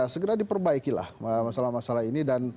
segera diperbaikilah masalah masalah ini dan